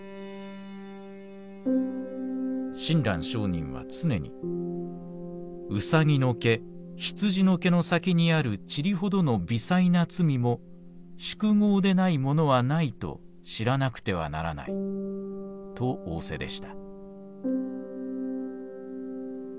「親鸞聖人は常に『卯の毛羊の毛のさきにあるちりほどの微細な罪も宿業でないものはないと知らなくてはならない』とおおせでした」。